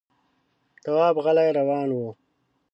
تواب غلی روان و.